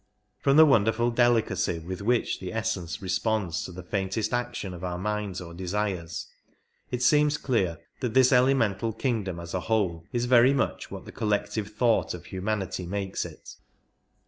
From the wonderful delicacy with which the essence responds to the faintest S4 action of our minds or desires it seems clear that this elemental kingdom as a whole is very much what the collec tive thought of humanity makes it.